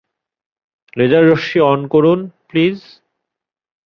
Laser রশ্মি on করুন, please.